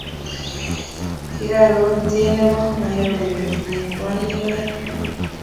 Kikakoutye nebo mayowe kotinye kwonyik oeng